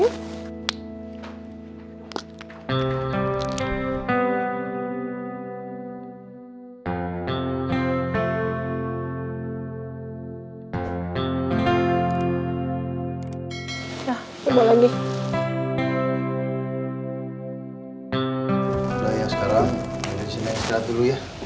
jangan rewet di chegou ya